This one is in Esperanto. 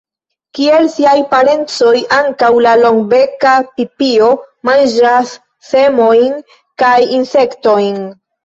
Kiel siaj parencoj, ankaŭ la Longbeka pipio manĝas semojn kaj insektojn.